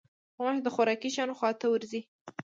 غوماشې د خوراکي شیانو خوا ته ورځي.